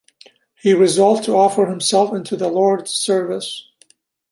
He resolved to offer himself into the Lord's service.